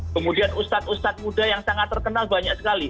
kemudian ustadz ustadz muda yang sangat terkenal